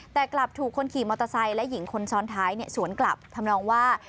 แต่กลับถูกคนขี่มอเตอร์ไซค์และหญิงคนซ้อนท้ายสวนกลับทำนองว่า